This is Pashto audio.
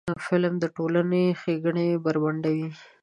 فلم د ټولنې ښېګڼې بربنډوي